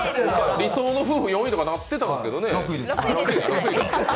理想の夫婦６位とかなってたけどね。